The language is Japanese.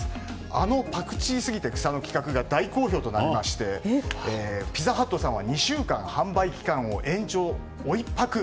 あのパクチーすぎて草の企画が大好評となりましてピザハットさんは２週間、販売期間を延長。